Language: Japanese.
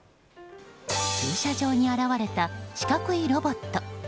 駐車場に現れた四角いロボット。